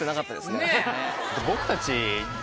僕たち。